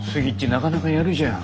なかなかやるじゃん。